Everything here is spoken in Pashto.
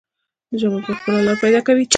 ژبه به خپله لاره پیدا کوي.